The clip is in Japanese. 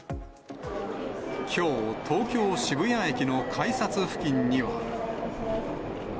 きょう、東京・渋谷駅の改札付近には。